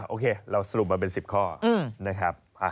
โอเคเราสรุปมาเป็น๑๐ข้อนะครับ